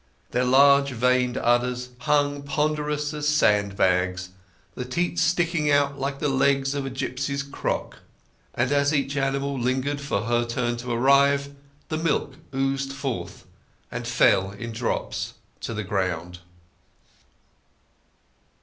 Their large veined udders hung ponderous as sandbags, the teats sticking out like the legs of a gipsy's crock; and as each animal lingered for her turn to arrive the milk oozed forth and fell in drops to the ground.